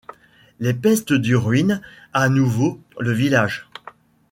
Les pestes du ruinent à nouveau le village.